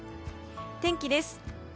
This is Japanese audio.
天気です。